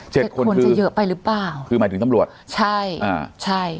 เจ็ดคนคือเจ็ดคนจะเยอะไปหรือเปล่าคือหมายถึงตำรวจใช่อ่าใช่